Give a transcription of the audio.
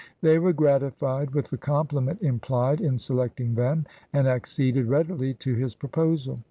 They were gratified with the compliment implied in selecting them, and acceded readily to his proposal.